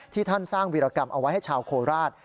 ท่านสร้างวิรากรรมเอาไว้ให้ชาวโคราช